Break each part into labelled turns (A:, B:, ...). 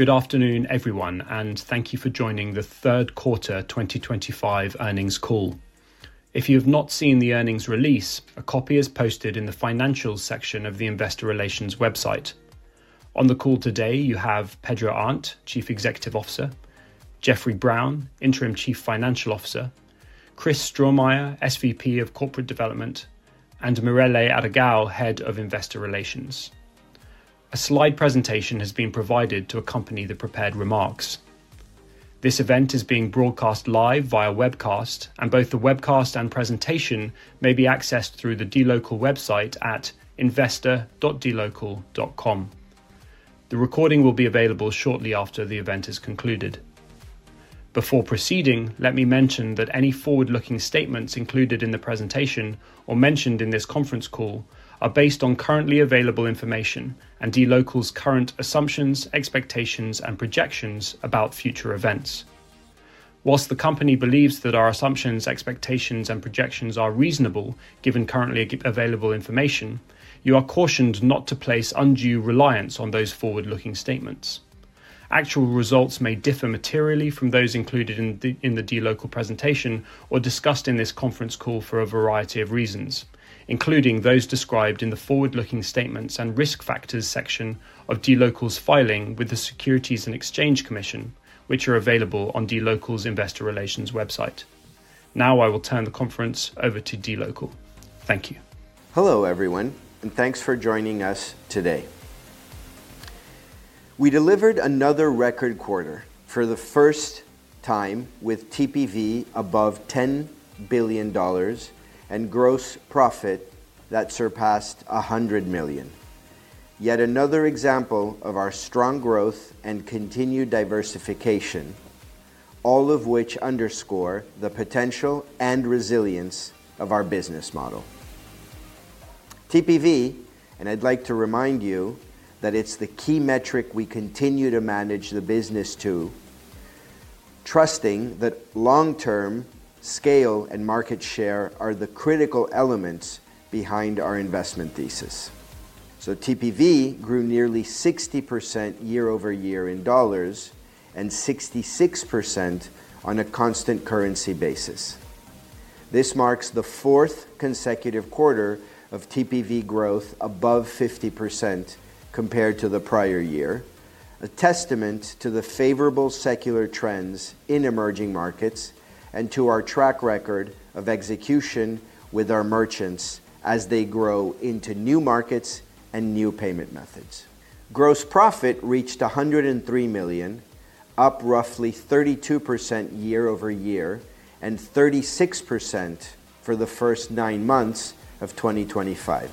A: Good afternoon, everyone, and thank you for joining the third quarter 2025 earnings call. If you have not seen the earnings release, a copy is posted in the financials section of the Investor Relations website. On the call today, you have Pedro Arnt, Chief Executive Officer; Jeffrey Brown, Interim Chief Financial Officer; Chris Strohmeier, SVP of Corporate Development; and Mirele de Aragao, Head of Investor Relations. A slide presentation has been provided to accompany the prepared remarks. This event is being broadcast live via webcast, and both the webcast and presentation may be accessed through the dLocal website at investor.dLocal.com. The recording will be available shortly after the event has concluded. Before proceeding, let me mention that any forward-looking statements included in the presentation or mentioned in this conference call are based on currently available information and dLocal's current assumptions, expectations, and projections about future events. Whilst the company believes that our assumptions, expectations, and projections are reasonable given currently available information, you are cautioned not to place undue reliance on those forward-looking statements. Actual results may differ materially from those included in the dLocal presentation or discussed in this conference call for a variety of reasons, including those described in the forward-looking statements and risk factors section of dLocal's filing with the Securities and Exchange Commission, which are available on dLocal's Investor Relations website. Now I will turn the conference over to dLocal. Thank you.
B: Hello, everyone, and thanks for joining us today. We delivered another record quarter for the first time with TPV above $10 billion and gross profit that surpassed $100 million. Yet another example of our strong growth and continued diversification, all of which underscore the potential and resilience of our business model. TPV, and I'd like to remind you that it's the key metric we continue to manage the business to, trusting that long-term scale and market share are the critical elements behind our investment thesis. TPV grew nearly 60% year-over-year in dollars and 66% on a constant currency basis. This marks the fourth consecutive quarter of TPV growth above 50% compared to the prior year, a testament to the favorable secular trends in emerging markets and to our track record of execution with our merchants as they grow into new markets and new payment methods. Gross profit reached $103 million, up roughly 32% year-over-year and 36% for the first nine months of 2025.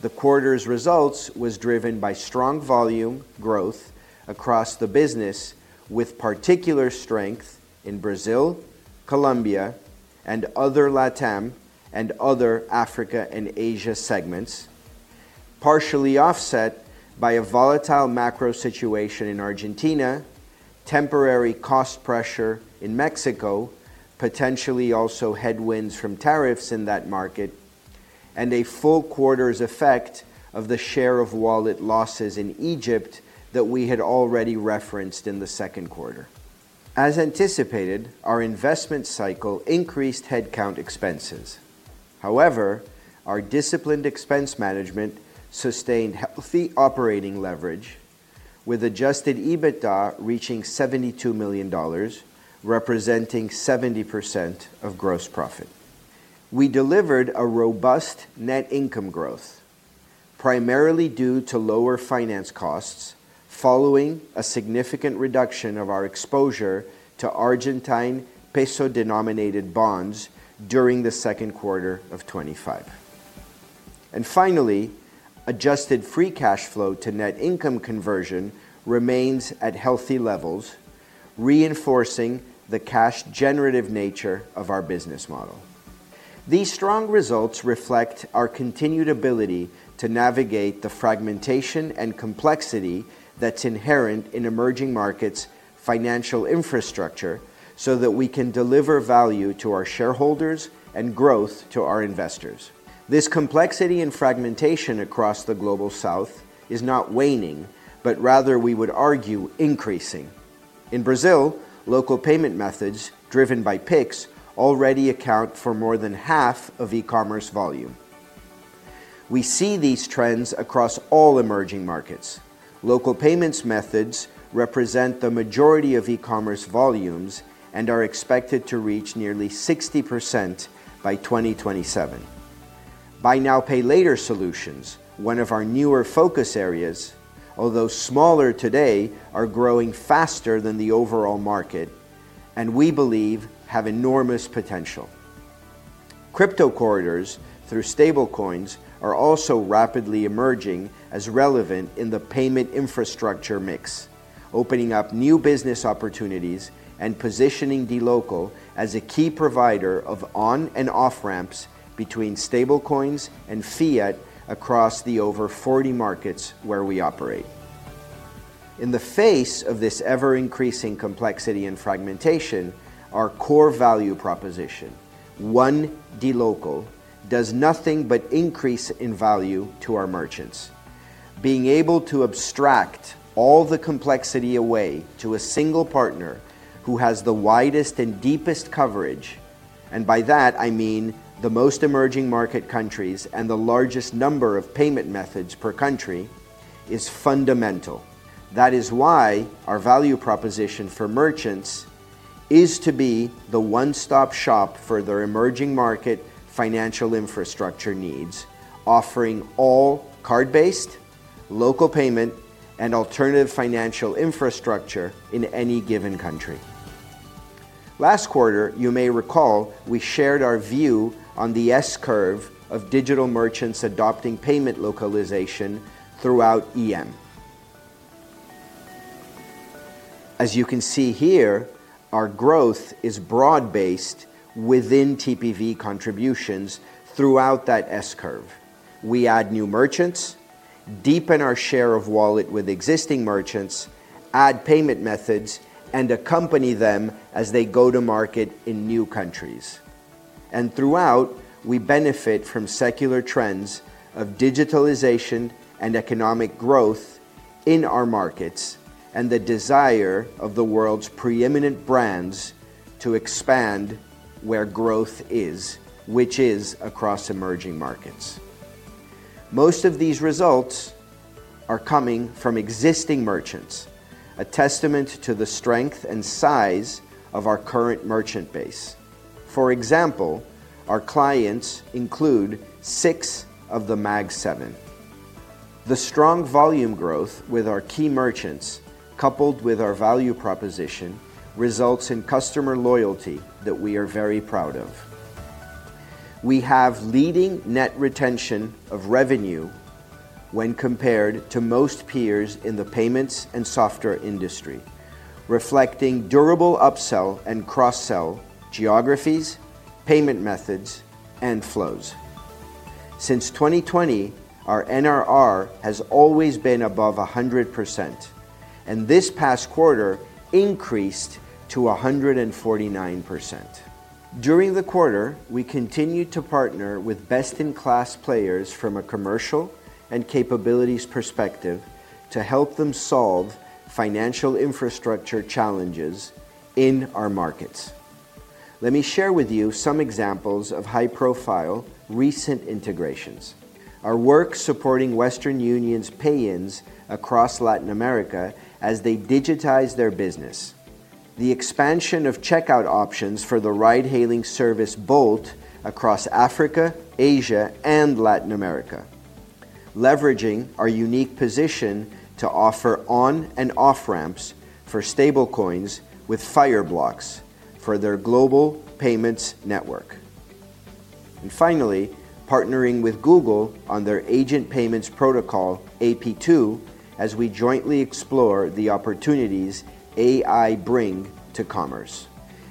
B: The quarter's results were driven by strong volume growth across the business, with particular strength in Brazil, Colombia, and other LatAm and other Africa and Asia segments, partially offset by a volatile macro situation in Argentina, temporary cost pressure in Mexico, potentially also headwinds from tariffs in that market, and a full quarter's effect of the share of wallet losses in Egypt that we had already referenced in the second quarter. As anticipated, our investment cycle increased headcount expenses. However, our disciplined expense management sustained healthy operating leverage, with adjusted EBITDA reaching $72 million, representing 70% of gross profit. We delivered a robust net income growth, primarily due to lower finance costs following a significant reduction of our exposure to Argentine peso-denominated bonds during the second quarter of 2025. Adjusted free cash flow to net income conversion remains at healthy levels, reinforcing the cash-generative nature of our business model. These strong results reflect our continued ability to navigate the fragmentation and complexity that's inherent in emerging markets' financial infrastructure so that we can deliver value to our shareholders and growth to our investors. This complexity and fragmentation across the Global South is not waning, but rather, we would argue, increasing. In Brazil, local payment methods driven by PIX already account for more than half of e-commerce volume. We see these trends across all emerging markets. Local payment methods represent the majority of e-commerce volumes and are expected to reach nearly 60% by 2027. Buy now, pay later solutions, one of our newer focus areas, although smaller today, are growing faster than the overall market and, we believe, have enormous potential. Crypto corridors through stablecoins are also rapidly emerging as relevant in the payment infrastructure mix, opening up new business opportunities and positioning dLocal as a key provider of on- and off-ramps between stablecoins and fiat across the over 40 markets where we operate. In the face of this ever-increasing complexity and fragmentation, our core value proposition, One dLocal, does nothing but increase in value to our merchants. Being able to abstract all the complexity away to a single partner who has the widest and deepest coverage, and by that I mean the most emerging market countries and the largest number of payment methods per country, is fundamental. That is why our value proposition for merchants is to be the one-stop shop for their emerging market financial infrastructure needs, offering all card-based, local payment, and alternative financial infrastructure in any given country. Last quarter, you may recall we shared our view on the S-curve of digital merchants adopting payment localization throughout EM. As you can see here, our growth is broad-based within TPV contributions throughout that S-curve. We add new merchants, deepen our share of wallet with existing merchants, add payment methods, and accompany them as they go to market in new countries. Throughout, we benefit from secular trends of digitalization and economic growth in our markets and the desire of the world's preeminent brands to expand where growth is, which is across emerging markets. Most of these results are coming from existing merchants, a testament to the strength and size of our current merchant base. For example, our clients include six of the MAG-7. The strong volume growth with our key merchants, coupled with our value proposition, results in customer loyalty that we are very proud of. We have leading net retention of revenue when compared to most peers in the payments and software industry, reflecting durable upsell and cross-sell geographies, payment methods, and flows. Since 2020, our NRR has always been above 100%, and this past quarter increased to 149%. During the quarter, we continued to partner with best-in-class players from a commercial and capabilities perspective to help them solve financial infrastructure challenges in our markets. Let me share with you some examples of high-profile recent integrations. Our work supporting Western Union's pay-ins across Latin America as they digitize their business, the expansion of checkout options for the ride-hailing service Bolt across Africa, Asia, and Latin America, leveraging our unique position to offer on- and off-ramps for stablecoins with Fireblocks for their global payments network. Finally, partnering with Google on their agent payments protocol, AP2, as we jointly explore the opportunities AI brings to commerce.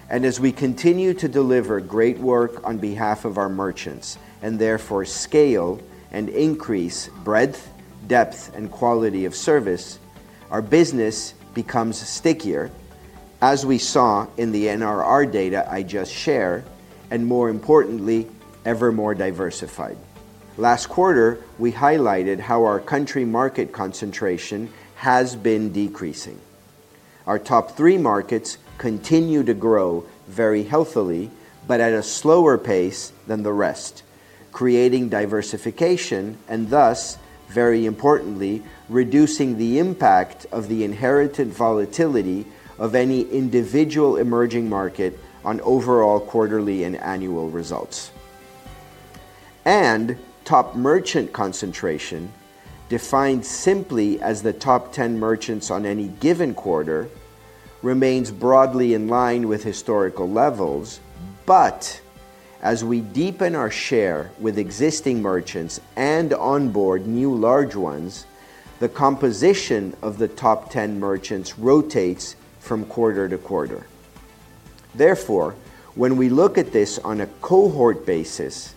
B: As we continue to deliver great work on behalf of our merchants and therefore scale and increase breadth, depth, and quality of service, our business becomes stickier, as we saw in the NRR data I just shared, and more importantly, ever more diversified. Last quarter, we highlighted how our country market concentration has been decreasing. Our top three markets continue to grow very healthily, but at a slower pace than the rest, creating diversification and thus, very importantly, reducing the impact of the inherited volatility of any individual emerging market on overall quarterly and annual results. Top merchant concentration, defined simply as the top 10 merchants on any given quarter, remains broadly in line with historical levels, but as we deepen our share with existing merchants and onboard new large ones, the composition of the top 10 merchants rotates from quarter to quarter. Therefore, when we look at this on a cohort basis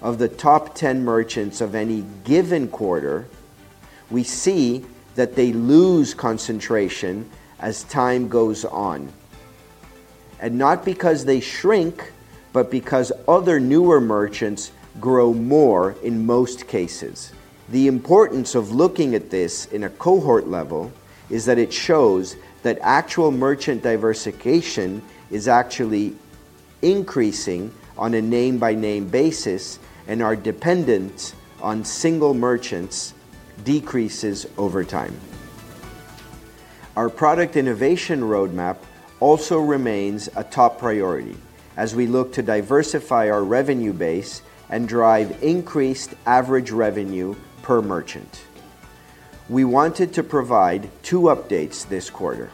B: of the top 10 merchants of any given quarter, we see that they lose concentration as time goes on, and not because they shrink, but because other newer merchants grow more in most cases. The importance of looking at this in a cohort level is that it shows that actual merchant diversification is actually increasing on a name-by-name basis, and our dependence on single merchants decreases over time. Our product innovation roadmap also remains a top priority as we look to diversify our revenue base and drive increased average revenue per merchant. We wanted to provide two updates this quarter.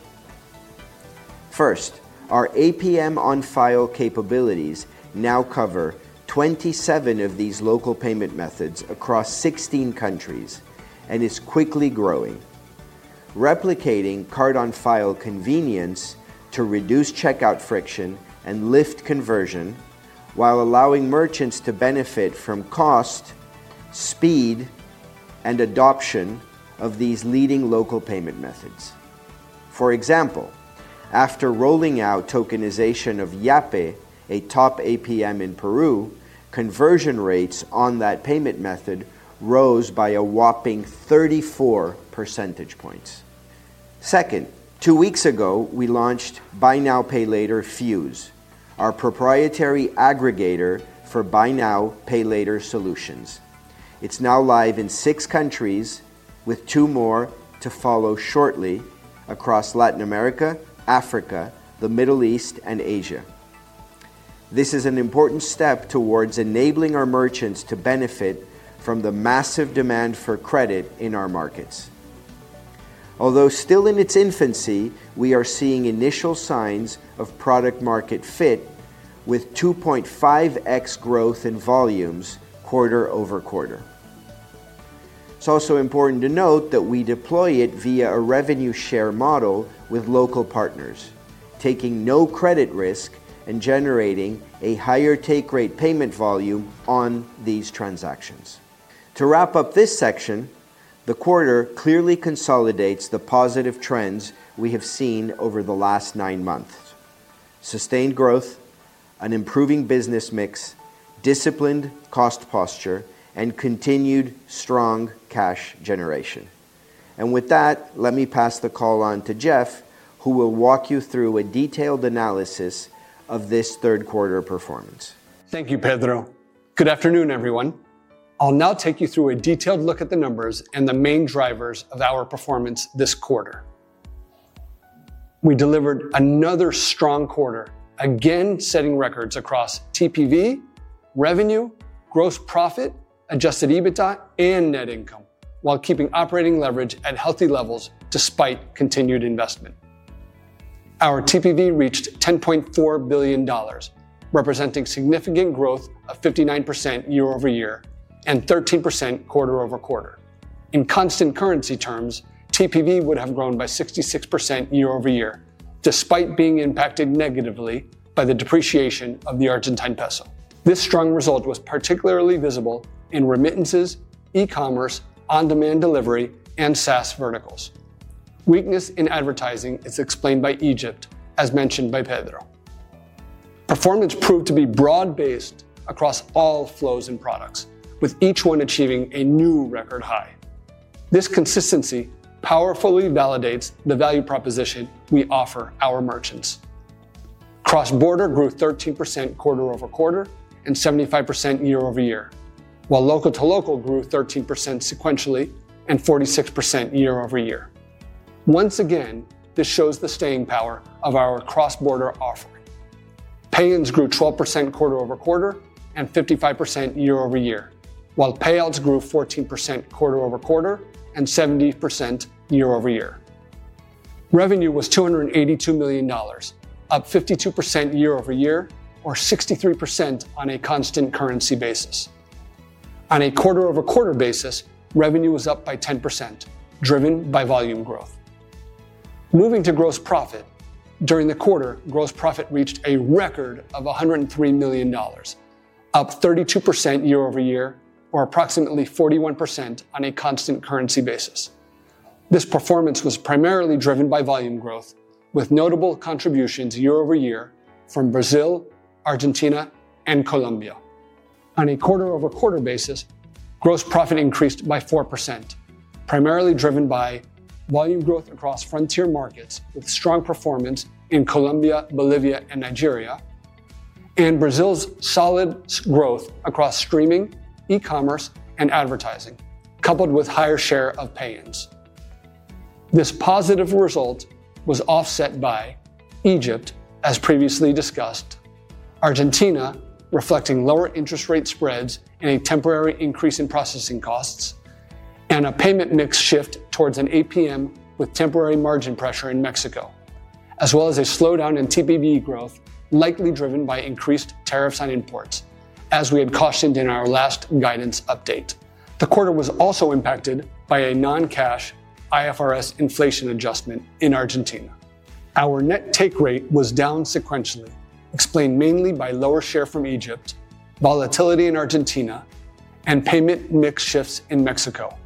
B: First, our APM on-file capabilities now cover 27 of these local payment methods across 16 countries and is quickly growing, replicating card-on-file convenience to reduce checkout friction and lift conversion while allowing merchants to benefit from cost, speed, and adoption of these leading local payment methods. For example, after rolling out tokenization of Yape, a top APM in Peru, conversion rates on that payment method rose by a whopping 34 percentage points. Second, two weeks ago, we launched Buy Now, Pay Later Fuse, our proprietary aggregator for Buy Now Pay Later solutions. It's now live in six countries, with two more to follow shortly across Latin America, Africa, the Middle East, and Asia. This is an important step towards enabling our merchants to benefit from the massive demand for credit in our markets. Although still in its infancy, we are seeing initial signs of product-market fit with 2.5x growth in volumes quarter-over-quarter. it is also important to note that we deploy it via a revenue share model with local partners, taking no credit risk and generating a higher take-rate payment volume on these transactions. To wrap up this section, the quarter clearly consolidates the positive trends we have seen over the last nine months: sustained growth, an improving business mix, disciplined cost posture, and continued strong cash generation. With that, let me pass the call on to Jeff, who will walk you through a detailed analysis of this third quarter performance.
C: Thank you, Pedro. Good afternoon, everyone. I'll now take you through a detailed look at the numbers and the main drivers of our performance this quarter. We delivered another strong quarter, again setting records across TPV, revenue, gross profit, adjusted EBITDA, and net income, while keeping operating leverage at healthy levels despite continued investment. Our TPV reached $10.4 billion, representing significant growth of 59% year-over-year and 13% quarter-over-quarter. In constant currency terms, TPV would have grown by 66% year-over-year, despite being impacted negatively by the depreciation of the Argentine peso. This strong result was particularly visible in remittances, e-commerce, on-demand delivery, and SaaS verticals. Weakness in advertising is explained by Egypt, as mentioned by Pedro. Performance proved to be broad-based across all flows and products, with each one achieving a new record high. This consistency powerfully validates the value proposition we offer our merchants. Cross-border grew 13% quarter-over-quarter and 75% year-over-year, while local to local grew 13% sequentially and 46% year-over-year. Once again, this shows the staying power of our cross-border offer. Pay-ins grew 12% quarter-over-quarter and 55% year-over-year, while payouts grew 14% quarter-over-quarter and 70% year-over-year. Revenue was $282 million, up 52% year-over-year, or 63% on a constant currency basis. On a quarter-over-quarter basis, revenue was up by 10%, driven by volume growth. Moving to gross profit, during the quarter, gross profit reached a record of $103 million, up 32% year-over-year, or approximately 41% on a constant currency basis. This performance was primarily driven by volume growth, with notable contributions year-over-year from Brazil, Argentina, and Colombia. On a quarter-over-quarter basis, gross profit increased by 4%, primarily driven by volume growth across frontier markets with strong performance in Colombia, Bolivia, and Nigeria, and Brazil's solid growth across streaming, e-commerce, and advertising, coupled with a higher share of pay-ins. This positive result was offset by Egypt, as previously discussed, Argentina reflecting lower interest rate spreads and a temporary increase in processing costs, and a payment mix shift towards an APM with temporary margin pressure in Mexico, as well as a slowdown in TPV growth likely driven by increased tariffs on imports, as we had cautioned in our last guidance update. The quarter was also impacted by a non-cash IFRS inflation adjustment in Argentina. Our net take rate was down sequentially, explained mainly by lower share from Egypt, volatility in Argentina, and payment mix shifts in Mexico.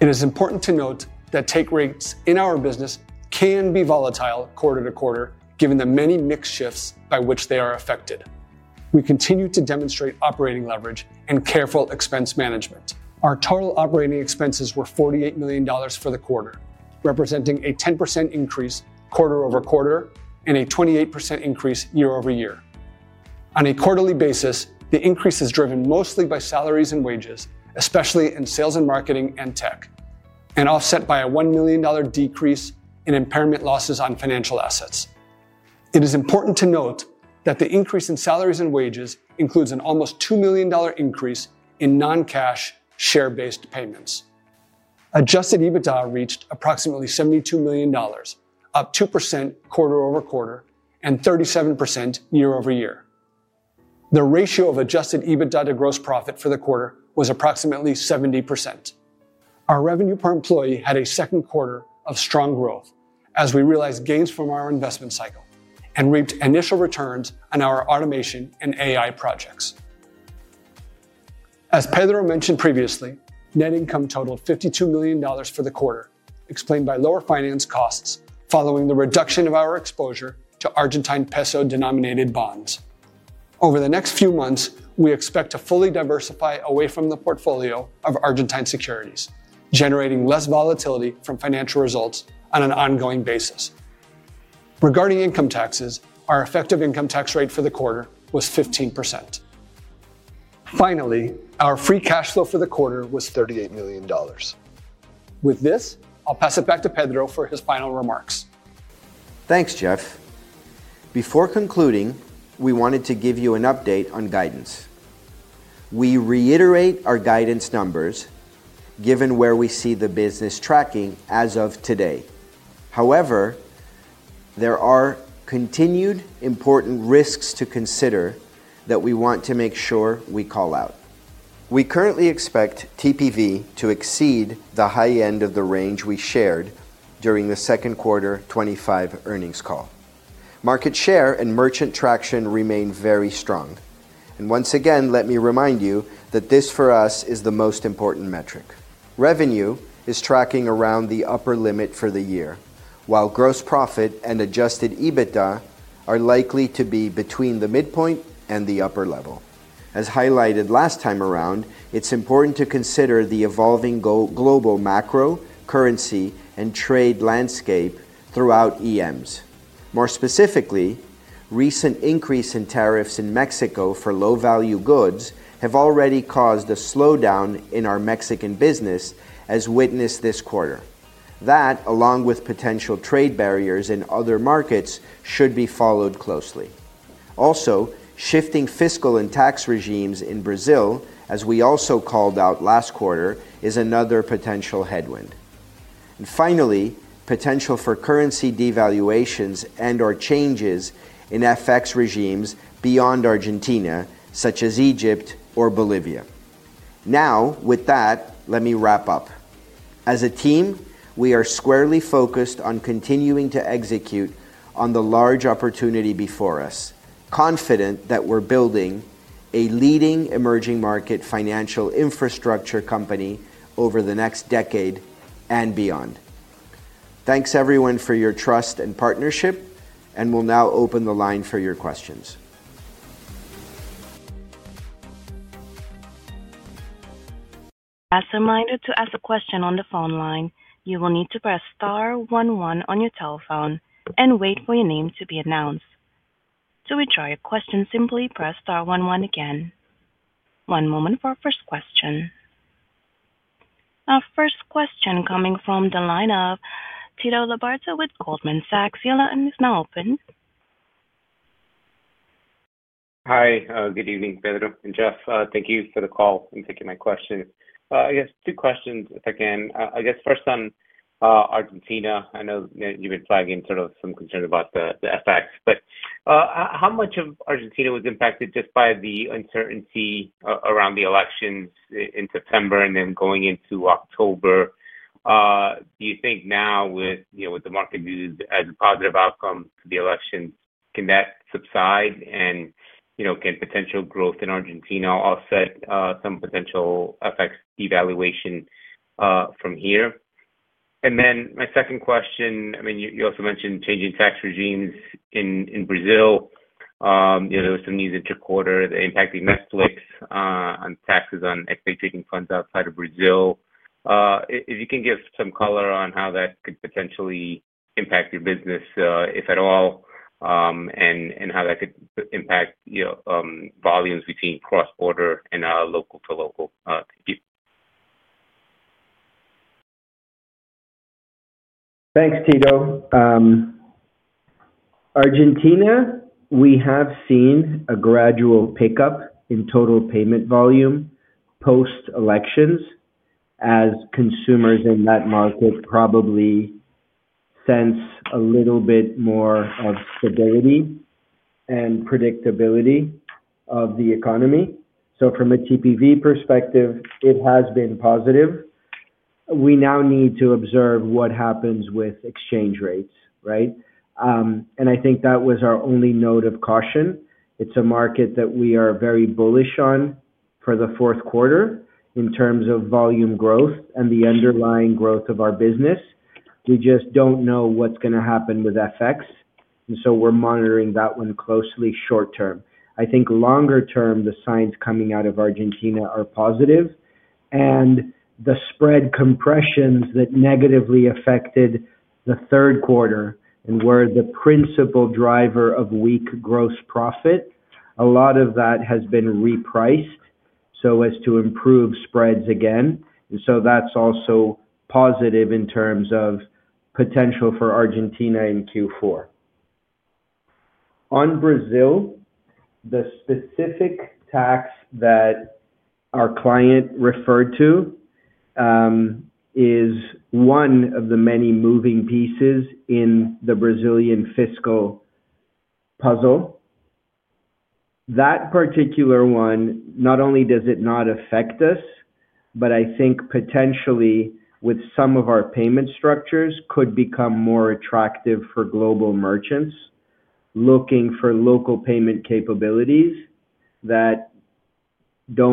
C: It is important to note that take rates in our business can be volatile quarter to quarter, given the many mix shifts by which they are affected. We continue to demonstrate operating leverage and careful expense management. Our total operating expenses were $48 million for the quarter, representing a 10% increase quarter-over-quarter and a 28% increase year-over-year. On a quarterly basis, the increase is driven mostly by salaries and wages, especially in sales and marketing and tech, and offset by a $1 million decrease in impairment losses on financial assets. It is important to note that the increase in salaries and wages includes an almost $2 million increase in non-cash share-based payments. Adjusted EBITDA reached approximately $72 million, up 2% quarter-over-quarter and 37% year-over-year. The ratio of adjusted EBITDA to gross profit for the quarter was approximately 70%. Our revenue per employee had a second quarter of strong growth, as we realized gains from our investment cycle and reaped initial returns on our automation and AI projects. As Pedro mentioned previously, net income totaled $52 million for the quarter, explained by lower finance costs following the reduction of our exposure to Argentine peso denominated bonds. Over the next few months, we expect to fully diversify away from the portfolio of Argentine securities, generating less volatility from financial results on an ongoing basis. Regarding income taxes, our effective income tax rate for the quarter was 15%. Finally, our free cash flow for the quarter was $38 million. With this, I'll pass it back to Pedro for his final remarks.
B: Thanks, Jeff. Before concluding, we wanted to give you an update on guidance. We reiterate our guidance numbers, given where we see the business tracking as of today. However, there are continued important risks to consider that we want to make sure we call out. We currently expect TPV to exceed the high end of the range we shared during the second quarter 2025 earnings call. Market share and merchant traction remain very strong. Once again, let me remind you that this for us is the most important metric. Revenue is tracking around the upper limit for the year, while gross profit and adjusted EBITDA are likely to be between the midpoint and the upper level. As highlighted last time around, it is important to consider the evolving global macro, currency, and trade landscape throughout EMs. More specifically, recent increases in tariffs in Mexico for low-value goods have already caused a slowdown in our Mexican business, as witnessed this quarter. That, along with potential trade barriers in other markets, should be followed closely. Also, shifting fiscal and tax regimes in Brazil, as we also called out last quarter, is another potential headwind. Finally, potential for currency devaluations and/or changes in FX regimes beyond Argentina, such as Egypt or Bolivia. Now, with that, let me wrap up. As a team, we are squarely focused on continuing to execute on the large opportunity before us, confident that we're building a leading emerging market financial infrastructure company over the next decade and beyond. Thanks, everyone, for your trust and partnership, and we'll now open the line for your questions.
A: As a reminder, to ask a question on the phone line, you will need to press star 11 on your telephone and wait for your name to be announced. To withdraw your question, simply press star 11 again. One moment for our first question. Our first question coming from the line of Tito Labarta with Goldman Sachs. Your line is now open.
D: Hi, good evening, Pedro and Jeff. Thank you for the call and taking my question. I guess two questions again. I guess first on Argentina. I know you've been flagging sort of some concerns about the effects, but how much of Argentina was impacted just by the uncertainty around the elections in September and then going into October? Do you think now, with the market views as a positive outcome to the elections, can that subside and can potential growth in Argentina offset some potential FX devaluation from here? I mean, you also mentioned changing tax regimes in Brazil. There were some news interquarter that impacted Netflix on taxes on extradition funds outside of Brazil.If you can give some color on how that could potentially impact your business, if at all, and how that could impact volumes between cross-border and local to local?
B: Thanks, Tito. Argentina, we have seen a gradual pickup in total payment volume post-elections as consumers in that market probably sense a little bit more of stability and predictability of the economy. So from a TPV perspective, it has been positive. We now need to observe what happens with exchange rates, right? I think that was our only note of caution. It's a market that we are very bullish on for the fourth quarter in terms of volume growth and the underlying growth of our business. We just don't know what's going to happen with FX. We're monitoring that one closely short term. I think longer term, the signs coming out of Argentina are positive. The spread compressions that negatively affected the third quarter and were the principal driver of weak gross profit, a lot of that has been repriced so as to improve spreads again. That is also positive in terms of potential for Argentina in Q4. On Brazil, the specific tax that our client referred to is one of the many moving pieces in the Brazilian fiscal puzzle. That particular one, not only does it not affect us, but I think potentially with some of our payment structures could become more attractive for global merchants looking for local payment capabilities that do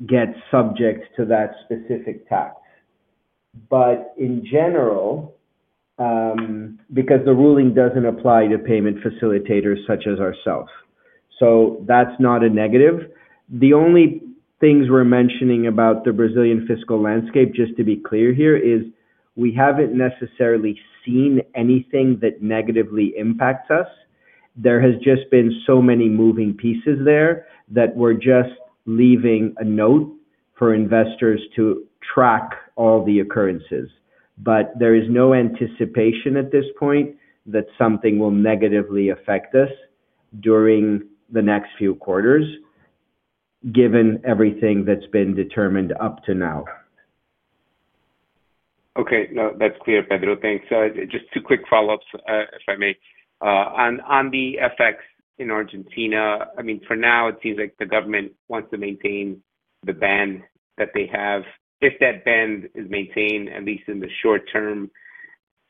B: not get subject to that specific tax. In general, because the ruling does not apply to payment facilitators such as ourselves, that is not a negative. The only things we're mentioning about the Brazilian fiscal landscape, just to be clear here, is we haven't necessarily seen anything that negatively impacts us. There have just been so many moving pieces there that we're just leaving a note for investors to track all the occurrences. There is no anticipation at this point that something will negatively affect us during the next few quarters, given everything that's been determined up to now.
D: Okay. No, that's clear, Pedro. Thanks. Just two quick follow-ups, if I may. On the FX in Argentina, I mean, for now, it seems like the government wants to maintain the band that they have. If that band is maintained, at least in the short term,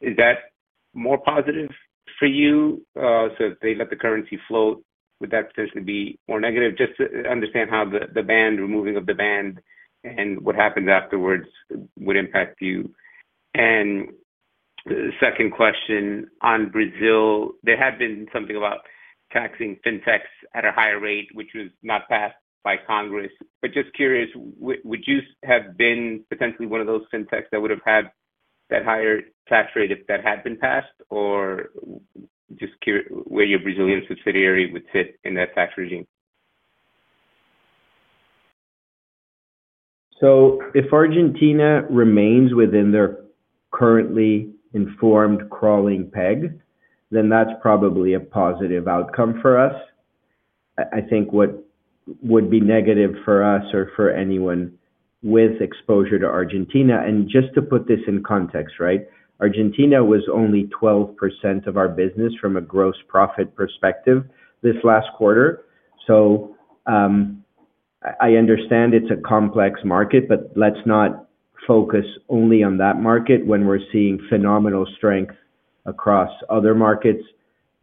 D: is that more positive for you? If they let the currency float, would that potentially be more negative? Just to understand how the band, removing of the band, and what happens afterwards would impact you. Second question, on Brazil, there had been something about taxing fintechs at a higher rate, which was not passed by Congress. Just curious, would you have been potentially one of those fintechs that would have had that higher tax rate if that had been passed? Just where your Brazilian subsidiary would sit in that tax regime?
B: If Argentina remains within their currently informed crawling peg, then that is probably a positive outcome for us. I think what would be negative for us or for anyone with exposure to Argentina, and just to put this in context, right? Argentina was only 12% of our business from a gross profit perspective this last quarter. I understand it's a complex market, but let's not focus only on that market when we're seeing phenomenal strength across other markets.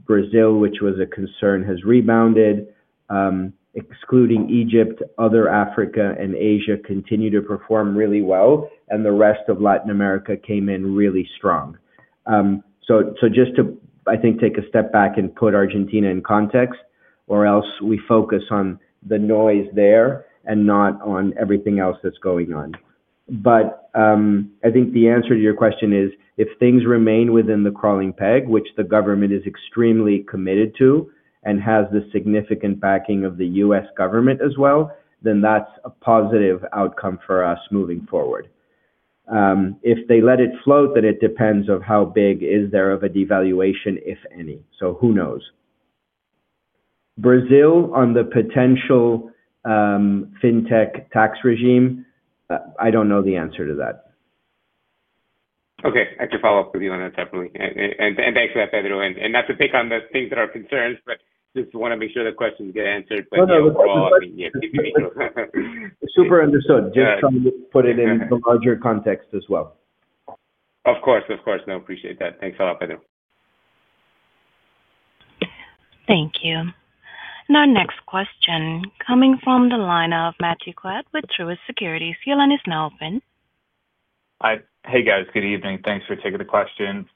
B: Brazil, which was a concern, has rebounded. Excluding Egypt, other Africa and Asia continue to perform really well, and the rest of Latin America came in really strong. Just to, I think, take a step back and put Argentina in context, or else we focus on the noise there and not on everything else that's going on. I think the answer to your question is, if things remain within the crawling peg, which the government is extremely committed to and has the significant backing of the US government as well, then that's a positive outcome for us moving forward. If they let it float, then it depends on how big is there of a devaluation, if any. Who knows? Brazil on the potential fintech tax regime, I don't know the answer to that.
D: Okay. I can follow up with you on that separately. Thanks for that, Pedro. Not to pick on the things that are concerns, just want to make sure the questions get answered.
B: No, no. Super understood. Just trying to put it in the larger context as well.
D: Of course, of course. No, appreciate that. Thanks a lot, Pedro.
A: Thank you. Our next question coming from the line of Matthew Coad with Truist Securities. Your line is now open.
E: Hi, guys. Good evening. Thanks for taking the question.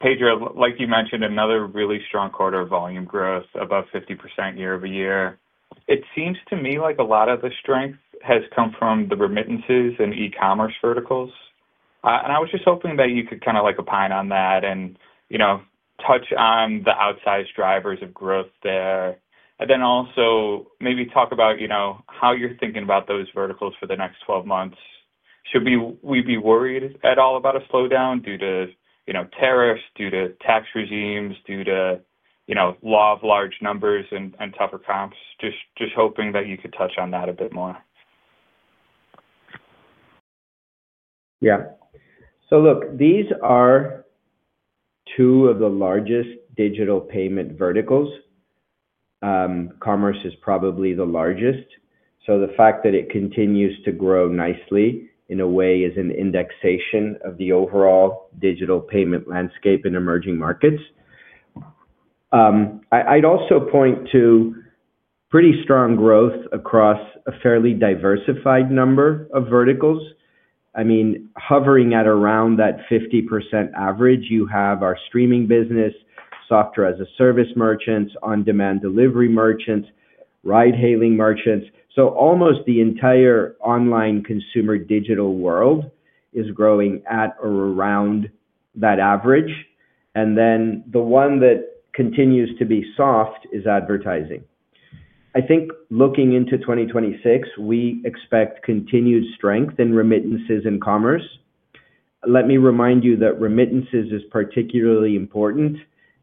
E: Pedro, like you mentioned, another really strong quarter of volume growth, about 50% year-over-year. It seems to me like a lot of the strength has come from the remittances and e-commerce verticals. I was just hoping that you could kind of opine on that and touch on the outsized drivers of growth there. Also, maybe talk about how you're thinking about those verticals for the next 12 months. Should we be worried at all about a slowdown due to tariffs, due to tax regimes, due to law of large numbers and tougher comps? Just hoping that you could touch on that a bit more.
B: Yeah. Look, these are two of the largest digital payment verticals. Commerce is probably the largest. The fact that it continues to grow nicely in a way is an indexation of the overall digital payment landscape in emerging markets. I'd also point to pretty strong growth across a fairly diversified number of verticals. I mean, hovering at around that 50% average, you have our streaming business, software as a service merchants, on-demand delivery merchants, ride-hailing merchants. Almost the entire online consumer digital world is growing at or around that average. The one that continues to be soft is advertising. I think looking into 2026, we expect continued strength in remittances and commerce. Let me remind you that remittances is particularly important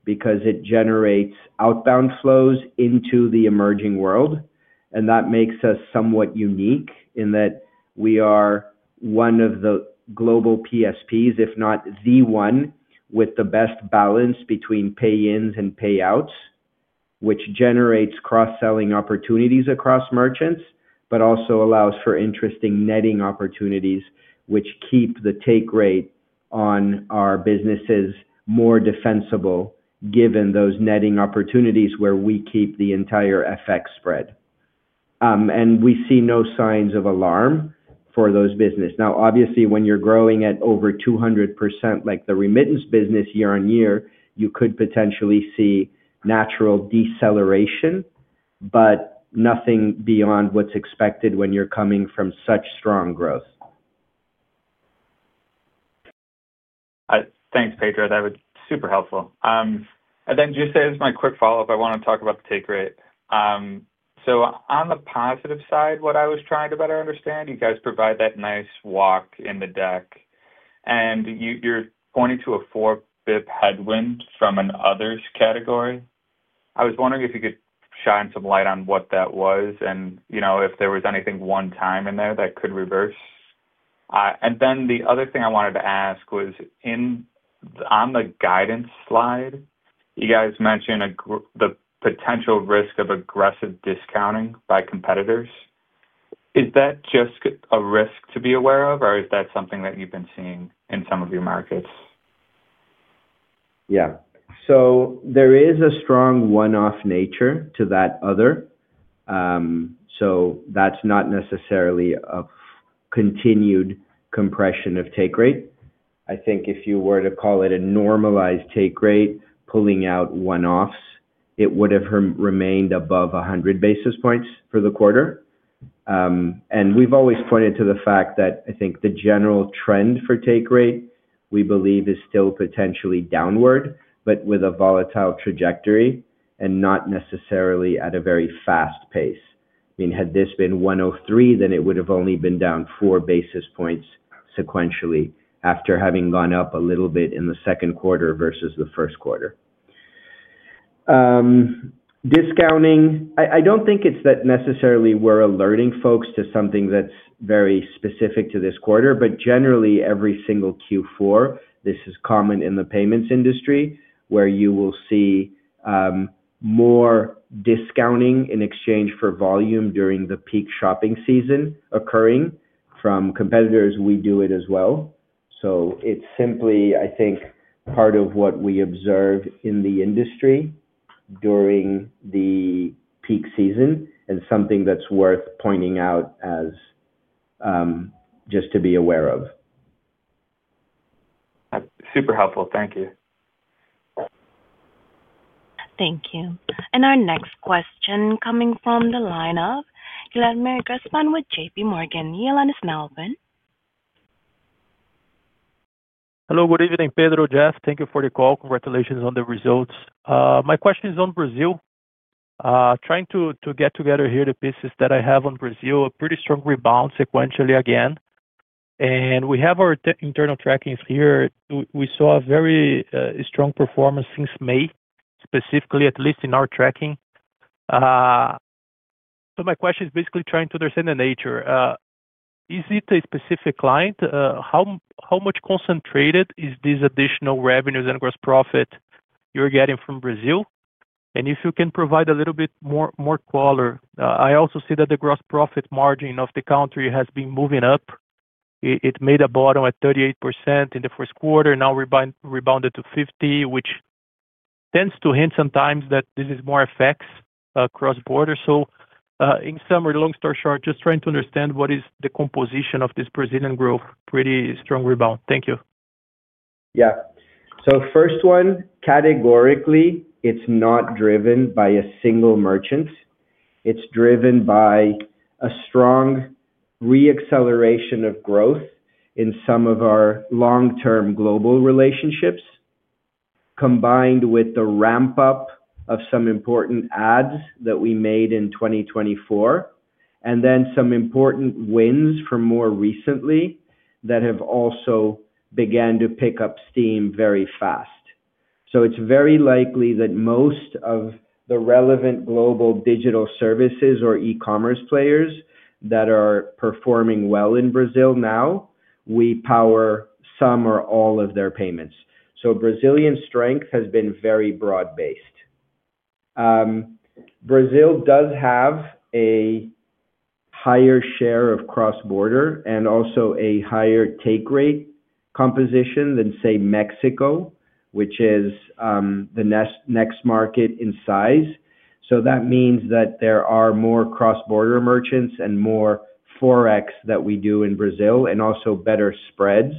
B: because it generates outbound flows into the emerging world. That makes us somewhat unique in that we are one of the global PSPs, if not the one, with the best balance between pay-ins and pay-outs, which generates cross-selling opportunities across merchants, but also allows for interesting netting opportunities, which keep the take rate on our businesses more defensible given those netting opportunities where we keep the entire FX spread. We see no signs of alarm for those businesses. Obviously, when you're growing at over 200%, like the remittance business year-on-year, you could potentially see natural deceleration, but nothing beyond what's expected when you're coming from such strong growth.
E: Thanks, Pedro. That was super helpful. Just as my quick follow-up, I want to talk about the take rate. On the positive side, what I was trying to better understand, you guys provide that nice walk in the deck. You're pointing to a four basis point headwind from an others category. I was wondering if you could shine some light on what that was and if there was anything one-time in there that could reverse. The other thing I wanted to ask was, on the guidance slide, you guys mentioned the potential risk of aggressive discounting by competitors. Is that just a risk to be aware of, or is that something that you've been seeing in some of your markets?
B: Yeah. There is a strong one-off nature to that other. That is not necessarily a continued compression of take rate. I think if you were to call it a normalized take rate, pulling out one-offs, it would have remained above 100 basis points for the quarter. We have always pointed to the fact that I think the general trend for take rate, we believe, is still potentially downward, but with a volatile trajectory and not necessarily at a very fast pace. I mean, had this been 103, then it would have only been down four basis points sequentially after having gone up a little bit in the second quarter versus the first quarter. Discounting, I do not think it is that necessarily we are alerting folks to something that is very specific to this quarter, but generally, every single Q4, this is common in the payments industry where you will see more discounting in exchange for volume during the peak shopping season occurring. From competitors, we do it as well. It is simply, I think, part of what we observe in the industry during the peak season and something that is worth pointing out just to be aware of.
E: Super helpful. Thank you.
A: Thank you. Our next question coming from the line of Guilherme Grespan with JPMorgan. Your line is now open.
F: Hello. Good evening, Pedro, Jeff. Thank you for the call. Congratulations on the results. My question is on Brazil. Trying to get together here the pieces that I have on Brazil, a pretty strong rebound sequentially again. We have our internal trackings here. We saw a very strong performance since May, specifically, at least in our tracking. My question is basically trying to understand the nature. Is it a specific client? How much concentrated is this additional revenues and gross profit you're getting from Brazil? If you can provide a little bit more color. I also see that the gross profit margin of the country has been moving up. It made a bottom at 38% in the first quarter. Now rebounded to 50%, which tends to hint sometimes that this is more FX cross-border. In summary, long story short, just trying to understand what is the composition of this Brazilian growth. Pretty strong rebound. Thank you.
B: Yeah. First one, categorically, it's not driven by a single merchant. It's driven by a strong re-acceleration of growth in some of our long-term global relationships, combined with the ramp-up of some important adds that we made in 2024, and then some important wins from more recently that have also begun to pick up steam very fast. It is very likely that most of the relevant global digital services or e-commerce players that are performing well in Brazil now, we power some or all of their payments. Brazilian strength has been very broad-based. Brazil does have a higher share of cross-border and also a higher take rate composition than, say, Mexico, which is the next market in size. That means that there are more cross-border merchants and more ForEx that we do in Brazil and also better spreads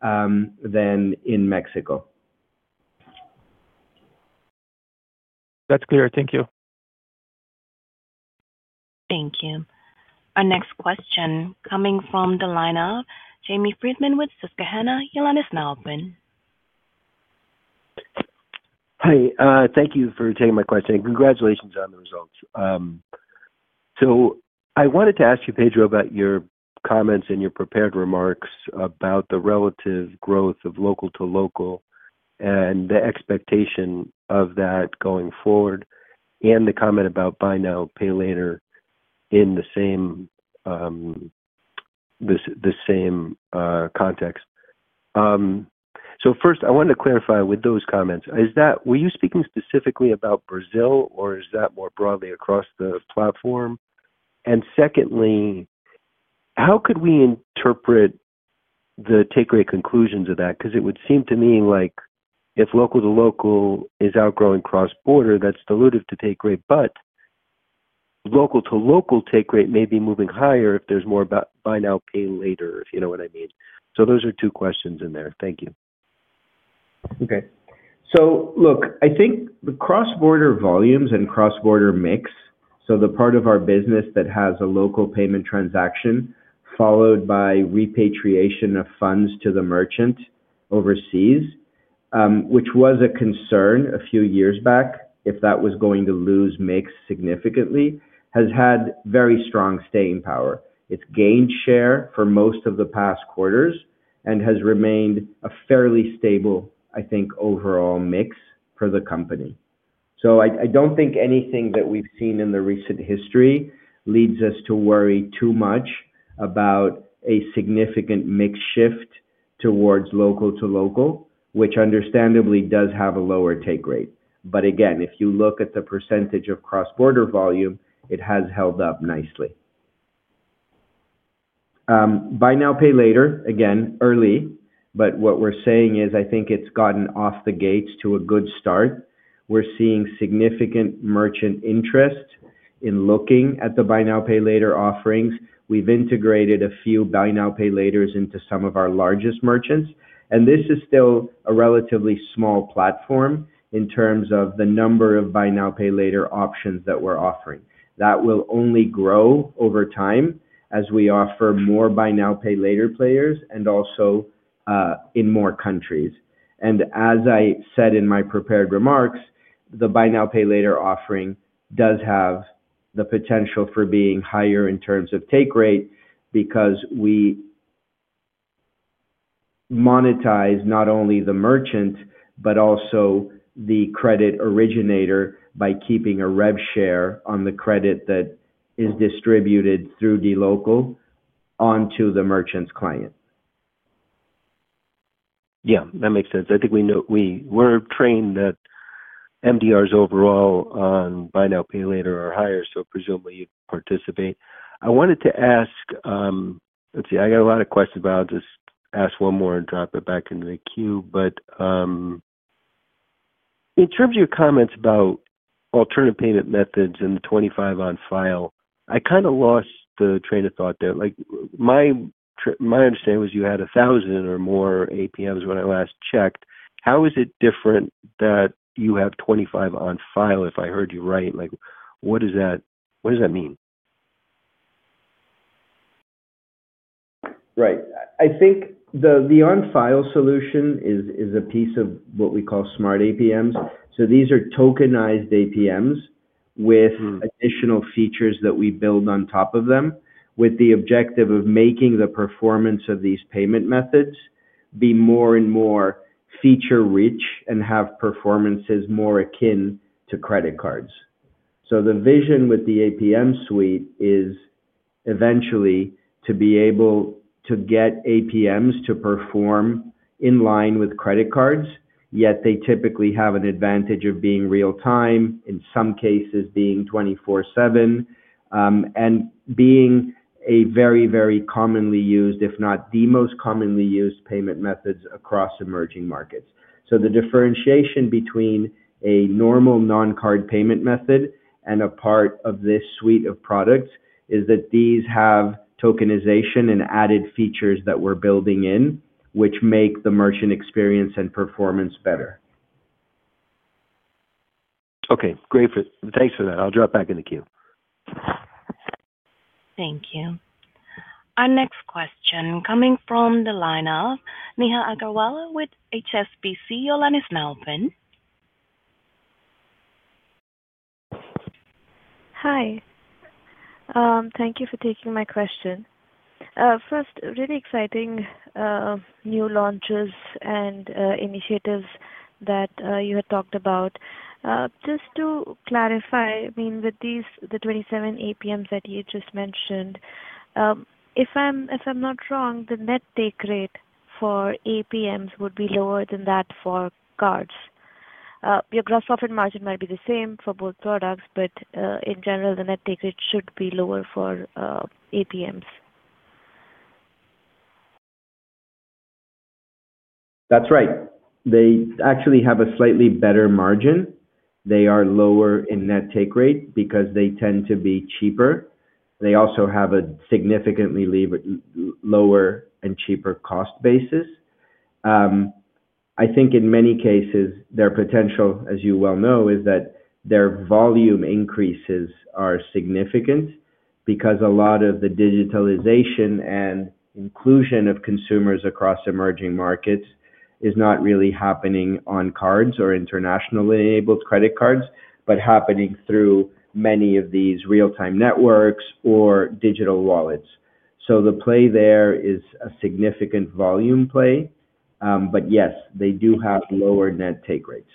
B: than in Mexico.
F: That's clear. Thank you.
A: Thank you. Our next question coming from the line of Jamie Friedman with Susquehanna. The line is now open.
G: Hi. Thank you for taking my question. Congratulations on the results. I wanted to ask you, Pedro, about your comments in your prepared remarks about the relative growth of local to local and the expectation of that going forward and the comment about buy now, pay later in the same context. First, I wanted to clarify with those comments, were you speaking specifically about Brazil, or is that more broadly across the platform? Secondly, how could we interpret the take rate conclusions of that? Because it would seem to me like if local to local is outgrowing cross-border, that's dilutive to take rate. But local to local take rate may be moving higher if there's more buy now, pay later, if you know what I mean. Those are two questions in there. Thank you.
B: Okay. Look, I think the cross-border volumes and cross-border mix, so the part of our business that has a local payment transaction followed by repatriation of funds to the merchant overseas, which was a concern a few years back, if that was going to lose mix significantly, has had very strong staying power. It has gained share for most of the past quarters and has remained a fairly stable, I think, overall mix for the company. I do not think anything that we have seen in the recent history leads us to worry too much about a significant mix shift towards local to local, which understandably does have a lower take rate. Again, if you look at the percentage of cross-border volume, it has held up nicely. Buy now, pay later, again, early. What we're saying is I think it's gotten off the gates to a good start. We're seeing significant merchant interest in looking at the buy now, pay later offerings. We've integrated a few buy now, pay laters into some of our largest merchants. This is still a relatively small platform in terms of the number of buy now, pay later options that we're offering. That will only grow over time as we offer more buy now, pay later players and also in more countries. As I said in my prepared remarks, the buy now, pay later offering does have the potential for being higher in terms of take rate because we monetize not only the merchant, but also the credit originator by keeping a rev share on the credit that is distributed through dLocal onto the merchant's client.
G: Yeah. That makes sense. I think we were trained that MDRs overall on buy now, pay later are higher, so presumably you'd participate. I wanted to ask, let's see. I got a lot of questions, but I'll just ask one more and drop it back into the queue. In terms of your comments about alternative payment methods and the 25 on-file, I kind of lost the train of thought there. My understanding was you had 1,000 or more APMs when I last checked. How is it different that you have 25 on-file, if I heard you right? What does that mean?
B: Right. I think the on-file solution is a piece of what we call smart APMs. These are tokenized APMs with additional features that we build on top of them with the objective of making the performance of these payment methods be more and more feature-rich and have performances more akin to credit cards. The vision with the APM suite is eventually to be able to get APMs to perform in line with credit cards, yet they typically have an advantage of being real-time, in some cases being 24/7, and being a very, very commonly used, if not the most commonly used payment methods across emerging markets. The differentiation between a normal non-card payment method and a part of this suite of products is that these have tokenization and added features that we're building in, which make the merchant experience and performance better.
G: Okay. Great. Thanks for that. I'll drop back in the queue.
A: Thank you. Our next question coming from the line of Neha Agarwala with HSBC. Your line is now open.
H: Hi. Thank you for taking my question. First, really exciting new launches and initiatives that you had talked about. Just to clarify, I mean, with the 27 APMs that you just mentioned, if I'm not wrong, the net take rate for APMs would be lower than that for cards. Your gross profit margin might be the same for both products, but in general, the net take rate should be lower for APMs.
B: That's right. They actually have a slightly better margin. They are lower in net take rate because they tend to be cheaper. They also have a significantly lower and cheaper cost basis. I think in many cases, their potential, as you well know, is that their volume increases are significant because a lot of the digitalization and inclusion of consumers across emerging markets is not really happening on cards or internationally enabled credit cards, but happening through many of these real-time networks or digital wallets. The play there is a significant volume play. Yes, they do have lower net take rates.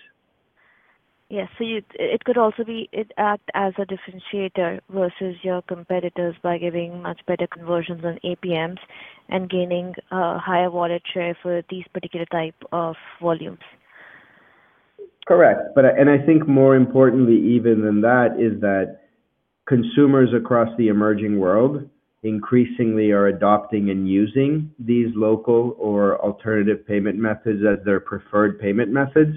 H: Yes, it could also be as a differentiator versus your competitors by giving much better conversions on APMs and gaining a higher wallet share for these particular type of volumes.
B: Correct. I think more importantly even than that is that consumers across the emerging world increasingly are adopting and using these local or alternative payment methods as their preferred payment methods.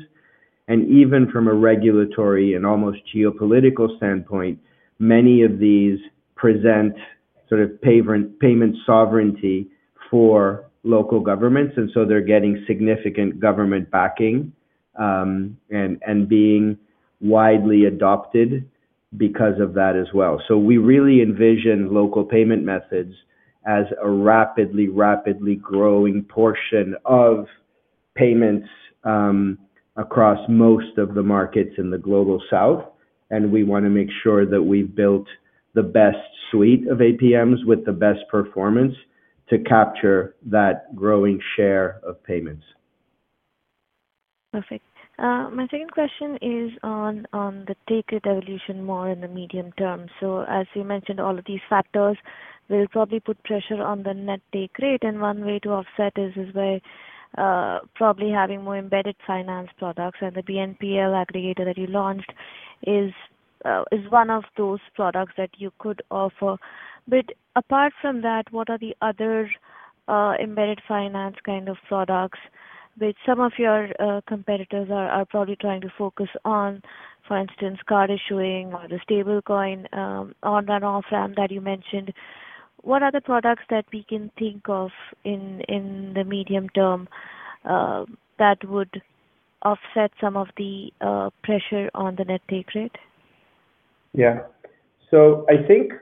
B: Even from a regulatory and almost geopolitical standpoint, many of these present sort of payment sovereignty for local governments. They are getting significant government backing and being widely adopted because of that as well. We really envision local payment methods as a rapidly, rapidly growing portion of payments across most of the markets in the global south. We want to make sure that we have built the best suite of APMs with the best performance to capture that growing share of payments.
H: Perfect. My second question is on the take rate evolution more in the medium term. As you mentioned, all of these factors will probably put pressure on the net take rate. One way to offset this is by probably having more embedded finance products. The BNPL aggregator that you launched is one of those products that you could offer. Apart from that, what are the other embedded finance kind of products which some of your competitors are probably trying to focus on? For instance, card issuing or the stablecoin on- and off-ramp that you mentioned. What are the products that we can think of in the medium term that would offset some of the pressure on the net take rate?
B: Yeah. I think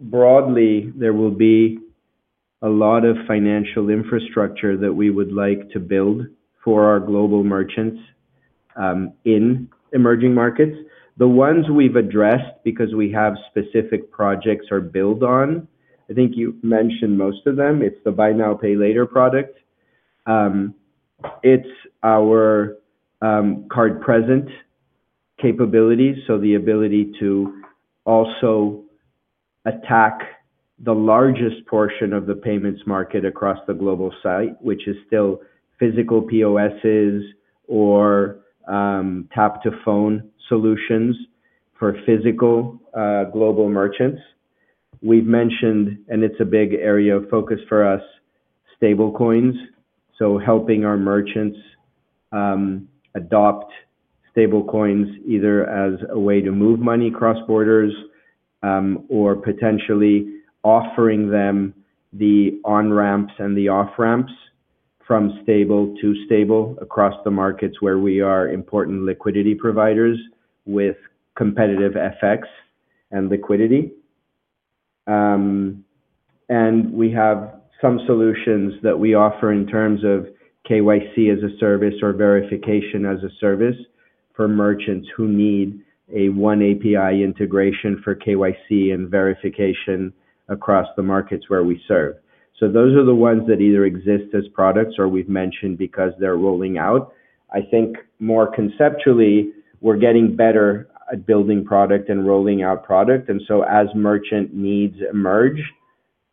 B: broadly, there will be a lot of financial infrastructure that we would like to build for our global merchants in emerging markets. The ones we've addressed because we have specific projects or build-on, I think you mentioned most of them. It's the buy now, pay later product. It's our card present capabilities, so the ability to also attack the largest portion of the payments market across the global site, which is still physical POSs or tap-to-phone solutions for physical global merchants. We've mentioned, and it's a big area of focus for us, stablecoins. Helping our merchants adopt stablecoins either as a way to move money cross-borders or potentially offering them the on-ramps and the off-ramps from stable to stable across the markets where we are important liquidity providers with competitive FX and liquidity. We have some solutions that we offer in terms of KYC as a service or verification as a service for merchants who need a one API integration for KYC and verification across the markets where we serve. Those are the ones that either exist as products or we've mentioned because they're rolling out. I think more conceptually, we're getting better at building product and rolling out product. As merchant needs emerge,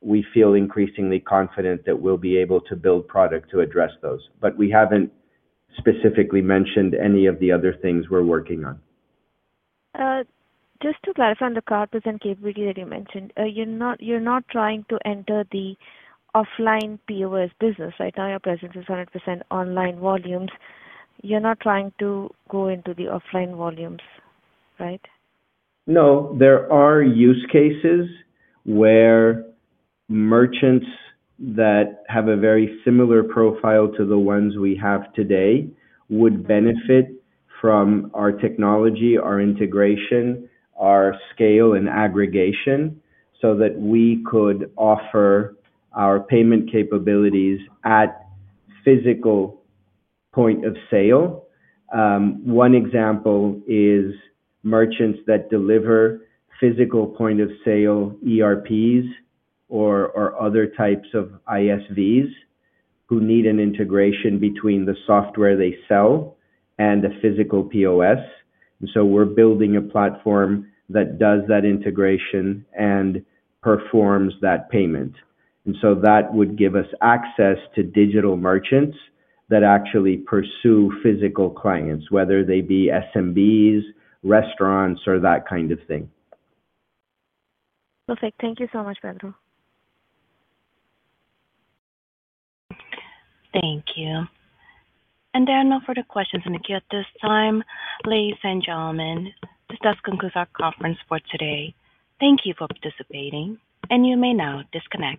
B: we feel increasingly confident that we'll be able to build product to address those. We have not specifically mentioned any of the other things we are working on.
H: Just to clarify on the card present capability that you mentioned, you are not trying to enter the offline POS business. Right now, your presence is 100% online volumes. You are not trying to go into the offline volumes, right?
B: No. There are use cases where merchants that have a very similar profile to the ones we have today would benefit from our technology, our integration, our scale, and aggregation so that we could offer our payment capabilities at physical point of sale. One example is merchants that deliver physical point of sale ERPs or other types of ISVs who need an integration between the software they sell and the physical POS. We are building a platform that does that integration and performs that payment. That would give us access to digital merchants that actually pursue physical clients, whether they be SMBs, restaurants, or that kind of thing.
H: Perfect. Thank you so much, Pedro.
A: Thank you. There are no further questions in the queue at this time. Ladies and gentlemen, this does conclude our conference for today. Thank you for participating. You may now disconnect.